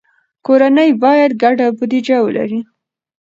کورنۍ باید ګډه بودیجه ولري.